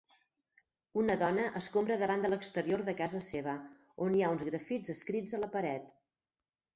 Una dona escombra davant de l'exterior de casa seva on hi ha uns grafits escrits a la partet.